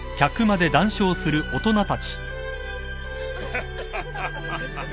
ハハハハ。